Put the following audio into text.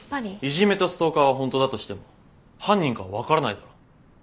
イジメとストーカーは本当だとしても犯人かは分からないだろ。